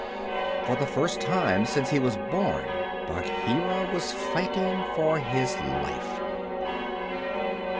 For the first time since he was born, Bagheera was fighting for his life.